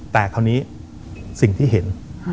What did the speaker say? แต่คราวนี้สิ่งที่เห็น